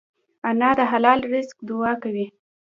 انا د حلال رزق دعا کوي